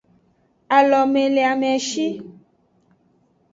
Alomeleameshi.